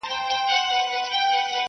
ما ویلي وه چي ته نه سړی کيږې